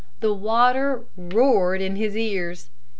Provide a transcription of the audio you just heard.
The water roared in his ears.